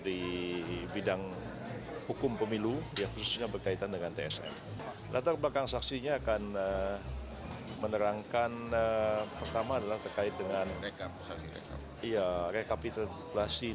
yang menjadi ahli ahli yang mencari kemampuan untuk mencari kemampuan